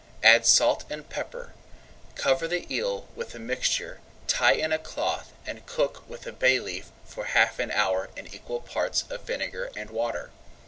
Add salt and pepper, cover the eel with the mixture, tie in a cloth, and cook with a bay leaf for half an hour in equal parts of vinegar and water.